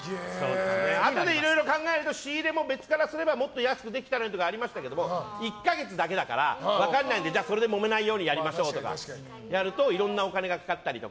あとでいろいろ考えると仕入れも別からすればもっと安くできたとかありましたけど１か月だけだから分からないのでそれで、もめないようにやりましょうとかやるといろんなお金がかかったり。